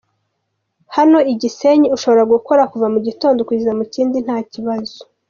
Hano I Gisenyi, ushobora gukora kuva mu gitondo kugeza mu kindi nta kibazo.”